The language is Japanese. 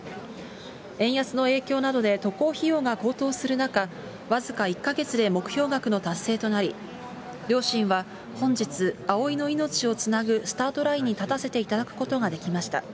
円安の影響などで渡航費用が高騰する中、僅か１か月で目標額の達成となり、両親は、本日、葵の命をつなぐスタートラインに立たせていただくことができました。